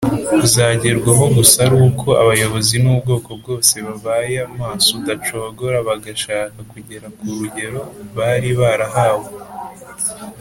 uzagerwaho gusa ari uko abayobozi n’ubwoko bwose babaye maso udacogora bagashaka kugera ku rugero bari barahawe.